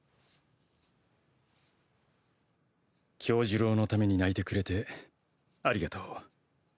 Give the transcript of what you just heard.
「杏寿郎のために泣いてくれてありがとう」